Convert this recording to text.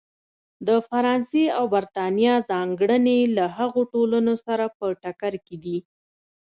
د فرانسې او برېټانیا ځانګړنې له هغو ټولنو سره په ټکر کې دي.